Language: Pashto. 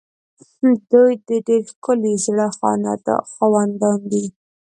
دوی د ډېر ښکلي زړه خاوندان دي.